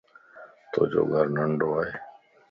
تو جو گھر ننڊوائي